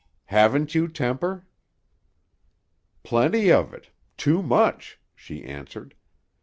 Haven't you temper?" "Plenty of it; too much," she answered.